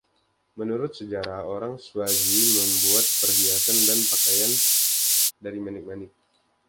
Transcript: Menurut sejarah orang Swazi membuat perhiasan dan pakaian dari manik-manik.